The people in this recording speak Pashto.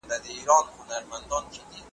زه پسونه غواوي نه سمه زغملای `